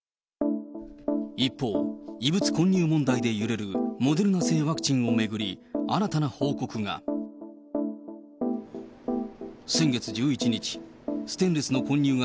一方、異物混入問題で揺れるモデルナ製ワクチンを巡り、新たな報告が。